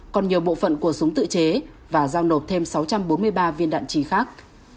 còn nhiều bộ phận của súng tự chế và giao nộp thêm sáu trăm bốn mươi ba viên đạn trì khác